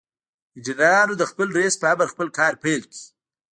انجنيرانو د خپل رئيس په امر خپل کار پيل کړ.